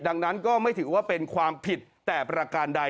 ดังนั้นก็ไม่ถือว่าเป็นความผิดแต่ประการใด